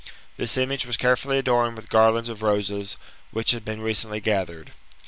This image was carefully adorned with garlands of roses, which had been recently gathered.